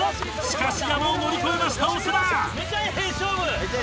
しかし山を乗り越えました長田！